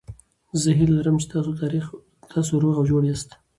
زه هیله لرم چې تاسو روغ او جوړ یاست.